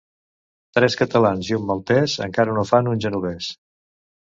Tres catalans i un maltès encara no fan un genovès.